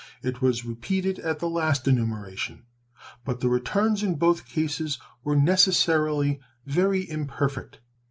It was repeated at the last enumeration, but the returns in both cases were necessarily very imperfect.